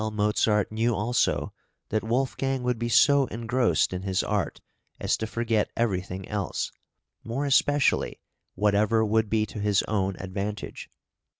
Mozart knew also that Wolfgang would be so engrossed in his art as to forget everything else, more especially whatever would be to his own advantage.